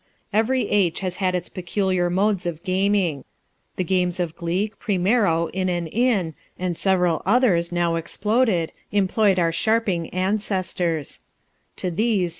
2 Every age has had its peculiar modes of gaming. The games of Gleek, Primero, In and in, and several others now exploded, employed our sharping ancestors ; to these succeeded 1 " Feb.